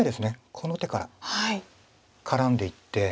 この手から絡んでいって。